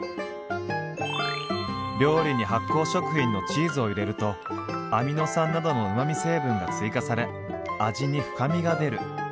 「料理に発酵食品のチーズを入れるとアミノ酸などのうまみ成分が追加され味に深みが出る」。